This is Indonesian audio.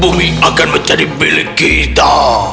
bumi akan menjadi milik kita